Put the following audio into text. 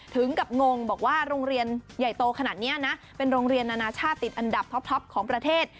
ถึงกับงงบอกว่าโรงเรียนใหญ่โตขนาดนี้นะเป็นโรงเรียนนานาชาติติดอันดับท็อปของประเทศ